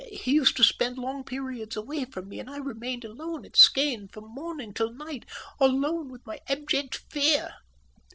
He used to spend long periods away from me, and I remained alone at Skene from morning till night, alone with my abject fear.